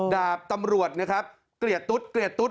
ดาบตำรวจนะครับเกลียดตุ๊ดเกลียดตุ๊ด